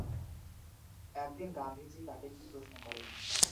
একদিন গান্ধীজী তাকে কি প্রশ্ন করেন?